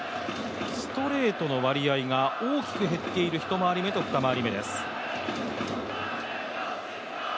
ストレートの割合が大きく減っている、１周り目と２周り目です。